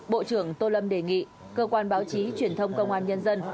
bộ trưởng tô lâm đề nghị cơ quan báo chí truyền thông công an nhân dân